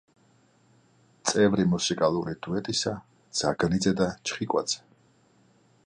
წევრი მუსიკალური დუეტისა ძაგნიძე და ჩხიკვაძე.